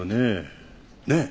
ねえ？